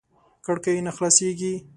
کړکۍ نه خلاصېږي .